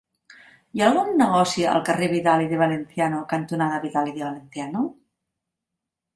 Hi ha algun negoci al carrer Vidal i de Valenciano cantonada Vidal i de Valenciano?